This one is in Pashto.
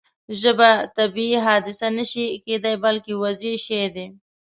ژبه طبیعي حادثه نه شي کېدای بلکې وضعي شی دی.